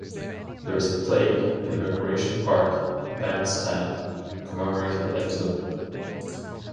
There is a plaque in the Recreation Park bandstand commemorating the episode.